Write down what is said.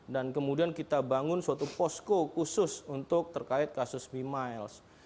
kemudian kita bangun suatu posko khusus untuk terkait kasus mimiles